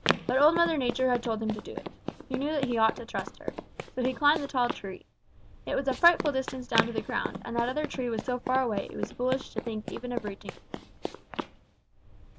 But Old Mother Nature had told him to do it. He knew that he ought to trust her. So he climbed the tall tree. It was a frightful distance down to the ground, and that other tree was so far away that it was foolish to even think of reaching it.